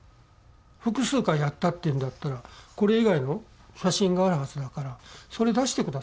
「複数回やったって言うんだったらこれ以外の写真があるはずだからそれ出して下さい。